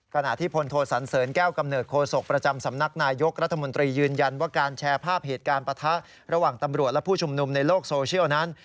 ขณะที่พลโทสันเสริญแก้วกำเนิดโคศกประจำสำนักนายยกรัฐมนตรียืนยันว่าการแชร์ภาพเหตุการณ์ปะทะระหว่างตำรวจและผู้ชุมนุมในโลกโซเชียลนั้น